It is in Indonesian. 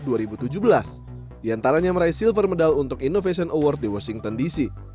di antaranya meraih silver medal untuk innovation award di washington dc